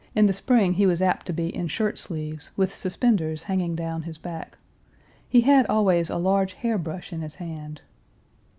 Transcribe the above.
Page 311 the spring he was apt to be in shirt sleeves, with suspenders hanging down his back. He had always a large hair brush in his hand.